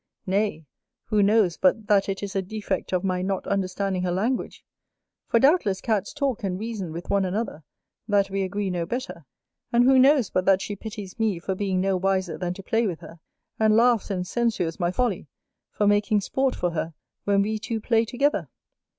Nay, who knows but that it is a defect of my not understanding her language, for doubtless Cats talk and reason with one another, that we agree no better: and who knows but that she pities me for being no wiser than to play with her, and laughs and censures my folly, for making sport for her, when we two play together?"